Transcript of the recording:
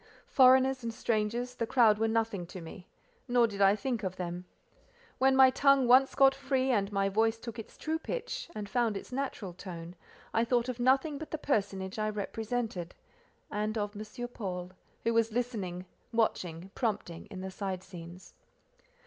Foreigners and strangers, the crowd were nothing to me. Nor did I think of them. When my tongue once got free, and my voice took its true pitch, and found its natural tone, I thought of nothing but the personage I represented—and of M. Paul, who was listening, watching, prompting in the side scenes.